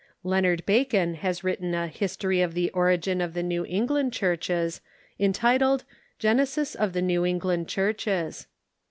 Leonard Bacon has written a History of the origin of the New England Churches, entitled " Genesis of the New England Churches."